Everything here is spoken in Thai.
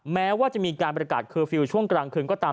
แม้ว่าจะมีการประกาศเคอร์ฟิลล์ช่วงกลางคืนก็ตาม